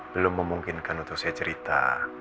belum memungkinkan untuk saya cerita